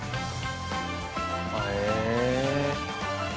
へえ。